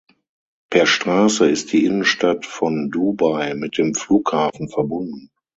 Per Straße ist die Innenstadt von Dubai mit dem Flughafen verbunden.